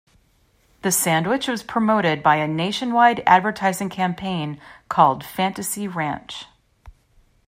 The sandwich was promoted by a nationwide advertising campaign called "Fantasy Ranch".